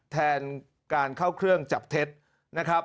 แทนการเข้าเครื่องจับเท็จนะครับ